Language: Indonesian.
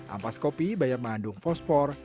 ampas kopi banyak mengandung fosfor